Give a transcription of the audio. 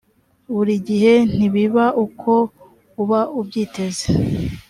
buri gihe ntibiba uko uba ubyiteze